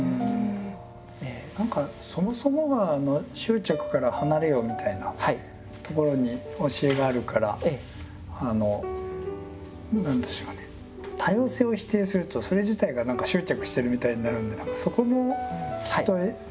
何かそもそもが「執着から離れよ」みたいなところに教えがあるから何でしょうかね多様性を否定するとそれ自体が何か執着してるみたいになるのでそこもきっとね。